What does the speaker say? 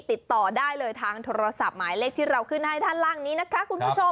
ติดต่อได้เลยทางโทรศัพท์หมายเลขที่เราขึ้นให้ด้านล่างนี้นะคะคุณผู้ชม